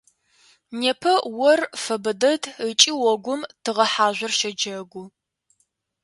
Непэ ор фэбэ дэд ыкӀи огум тыгъэ хьажъор щэджэгу.